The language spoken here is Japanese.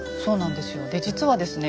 で実はですね